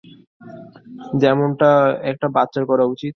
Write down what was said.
যেমনটা একটা বাচ্চার করা উচিত।